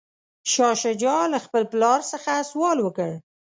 شاه شجاع له خپل پلار څخه سوال وکړ.